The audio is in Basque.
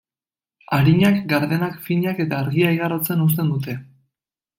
Arinak, gardenak, finak eta argia igarotzen uzten dute.